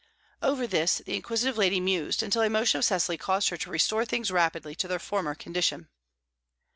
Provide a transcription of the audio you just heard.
Over this the inquisitive lady mused, until a motion of Cecily caused her to restore things rapidly to their former condition.